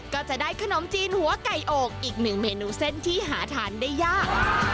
ก็จะได้ขนมจีนหัวไก่อกอีกหนึ่งเมนูเส้นที่หาทานได้ยาก